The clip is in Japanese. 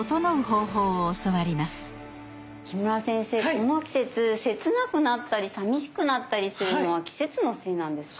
この季節切なくなったりさみしくなったりするのは季節のせいなんですか？